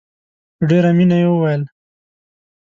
په ډېره مینه یې وویل.